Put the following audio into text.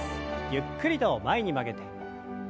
ゆっくりと前に曲げて。